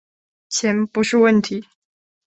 钱不是问题